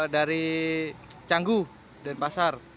dari canggu denpasar